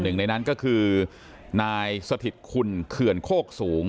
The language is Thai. หนึ่งในนั้นก็คือนายสถิตคุณเขื่อนโคกสูง